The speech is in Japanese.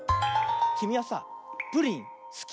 きみはさプリンすき？